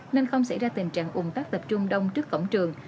nên không xảy ra tình trạng ủng tắc tập trung đông trước cổng trường